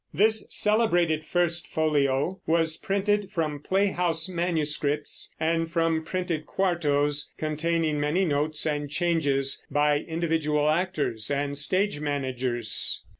This celebrated First Folio was printed from playhouse manuscripts and from printed quartos containing many notes and changes by individual actors and stage managers.